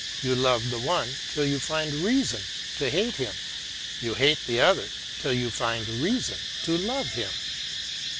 You love the one till you find reason to hate him : you hate the other till you find reason to love him."